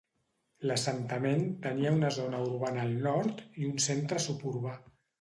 L'assentament tenia una zona urbana al nord i un centre suburbà.